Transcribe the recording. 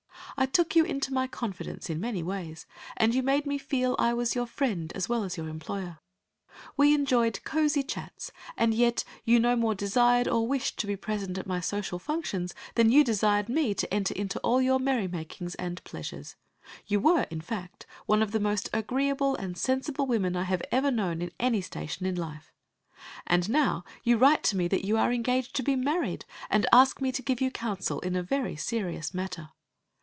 I took you into my confidence in many ways, and you made me feel I was your friend as well as your employer. We enjoyed cosy chats, and yet you no more desired or wished to be present at my social functions than you desired me to enter into all your merrymakings and pleasures. You were, in fact, one of the most agreeable and sensible women I have ever known in any station in life. And now you write me that you are engaged to be married, and ask me to give you counsel in a very serious matter.